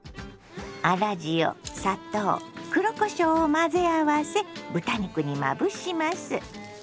粗塩砂糖黒こしょうを混ぜ合わせ豚肉にまぶします。